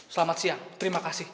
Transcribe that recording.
selamat siang terima kasih